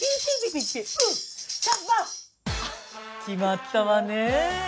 決まったわね！